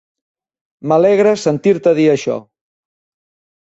M'alegra sentir-te dir això.